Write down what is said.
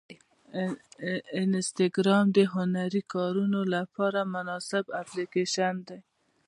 انسټاګرام د هنري کارونو لپاره مناسب اپلیکیشن دی.